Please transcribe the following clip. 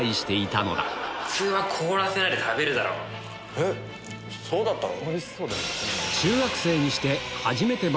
えっそうだったの？